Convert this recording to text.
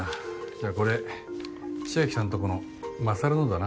じゃあこれ千明さんとこの勝のだな。